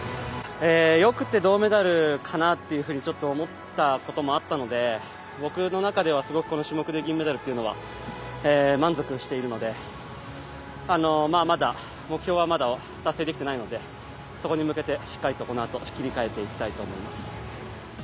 よくて銅メダルかなと思ったこともあったので僕の中ではすごくこの種目で銀メダルというのは満足しているのでまだ目標は達成できていないのでそこに向けてしっかりとこのあと切り替えていきたいと思います。